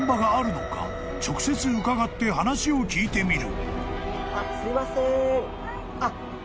［直接伺って話を聞いてみる］